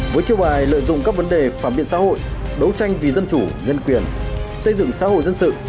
với chiêu bài lợi dụng các vấn đề phản biện xã hội đấu tranh vì dân chủ nhân quyền xây dựng xã hội dân sự